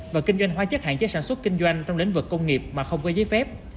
và kinh doanh hóa chất hạn chế sản xuất kinh doanh trong lĩnh vực công nghiệp mà không có giấy phép